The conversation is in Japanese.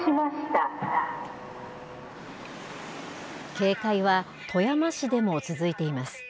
警戒は富山市でも続いています。